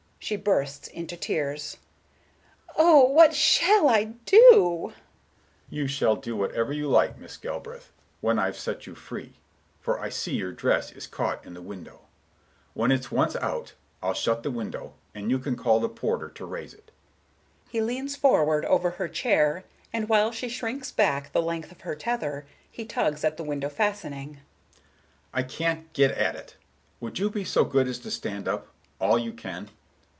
She bursts into tears. "Oh, what shall I do?" Mr. Richards, dryly: "You shall do whatever you like, Miss Galbraith, when I've set you free; for I see your dress is caught in the window. When it's once out, I'll shut the window, and you can call the porter to raise it." He leans forward over her chair, and while she shrinks back the length of her tether, he tugs at the window fastening. "I can't get at it. Would you be so good as to stand up,—all you can?"